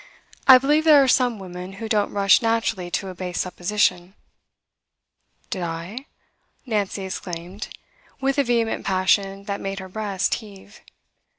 I believe there are some women who don't rush naturally to a base supposition.' 'Did I?' Nancy exclaimed, with a vehement passion that made her breast heave.